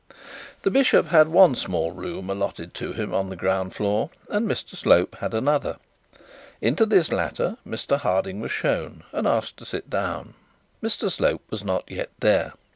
The bishop had one small room allotted to him on the ground floor, and Mr Slope had another. Into this latter Mr Harding was shown, and asked to sit down. Mr Slope was not yet there.